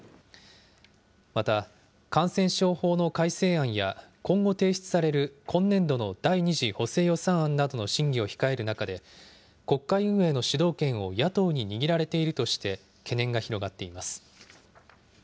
また、感染症法の改正案や、今後提出される今年度の第２次補正予算案などの審議を控える中で、国会運営の主導権を野党に握られているとして、懸念が広がっています。